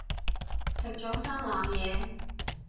食咗生冷嘢